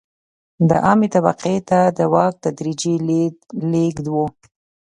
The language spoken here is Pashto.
د عامې طبقې ته د واک تدریجي لېږد و.